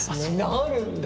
なるんだ！